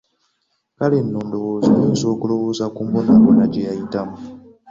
Kale nno ndowooza oyinza okulowooza ku mbonabona gye yayitamu.